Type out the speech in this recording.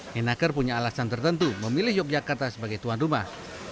menaker punya alasan tertentu memilih yogyakarta sebagai tuan rumah